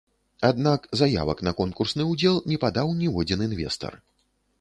Аднак заявак на конкурсны ўдзел не падаў ніводзін інвестар.